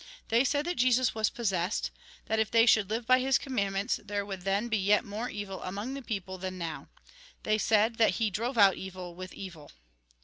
They said that Jesus was possessed ; that if they should live by his commandments, there would then be yet more evil among the people than now. They said, that he drove out evil with evil.